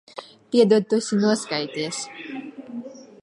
Piedod. Tu esi noskaities.